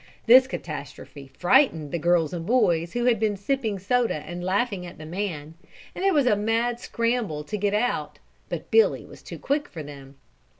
This catastrophe frightened the girls and boys who had been sitting sipping soda and laughing at the man, and there was a mad scramble to get out but Billy was too quick for them.